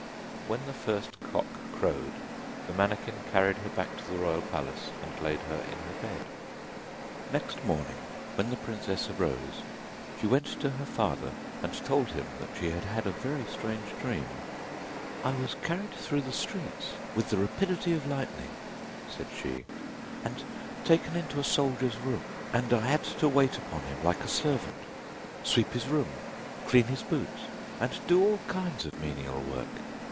When the first cock crowed, the manikin carried her back to the royal palace, and laid her in her bed. Next morning when the princess arose she went to her father, and told him that she had had a very strange dream. 'I was carried through the streets with the rapidity of lightning,' said she, 'and taken into a soldier's room, and I had to wait upon him like a servant, sweep his room, clean his boots, and do all kinds of menial work.